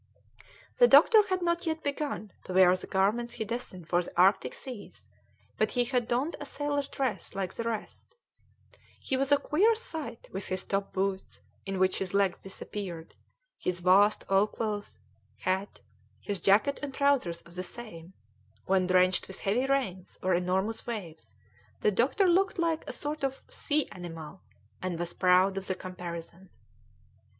The doctor had not yet begun to wear the garments he destined for the Arctic Seas, but he had donned a sailor's dress like the rest; he was a queer sight with his top boots, in which his legs disappeared, his vast oilcloth hat, his jacket and trousers of the same; when drenched with heavy rains or enormous waves the doctor looked like a sort of sea animal, and was proud of the comparison.